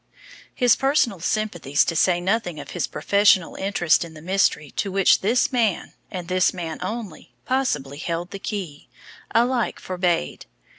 His personal sympathies, to say nothing of his professional interest in the mystery to which this man and this man only possibly held the key, alike forbade.